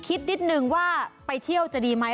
คิดนิดนึงว่าไปเที่ยวจะดีไหม